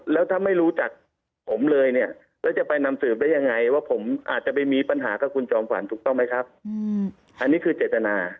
แล้วถ้าไม่รู้จักผมเลยเนี่ยแล้วจะไปนำสืบได้ยังไงว่าผมอาจจะไปมีปัญหากับคุณจอมขวัญถูกต้องไหมครับอันนี้คือเจตนา